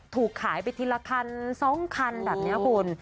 ถูกขายไปทีละคัน๒คันแบบนี้คุณ